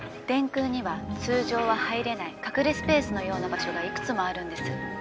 電空には通じょうは入れないかくれスペースのような場しょがいくつもあるんです。